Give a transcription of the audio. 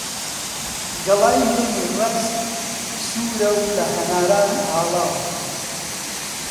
گەڵای مێوی ڕەز سوورە و لە هەناران هاڵاوە